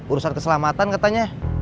urusan keselamatan katanya